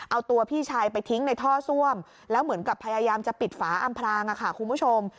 เอาตัวพี่ชายไปทิ้งในท่อซ่วมแล้วเหมือนกับพยายามจะปิดฝาอำพรางค่ะคุณผู้ชม